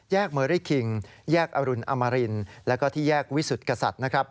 แยกเมอรี่คิงแยกอรุณอมรินและที่แยกวิสุทธิ์กษัตริย์